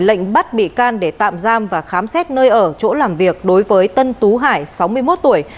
lệnh bắt bị can để tạm giam và khám xét nơi ở chỗ làm việc đối với tân tú hải sáu mươi một tuổi